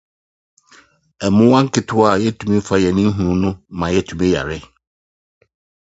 The Royal Society of Chemistry awards the De Gennes Prize biennially, in his honour.